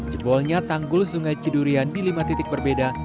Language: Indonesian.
jebolnya tanggul sungai cidurian di lima titik berbeda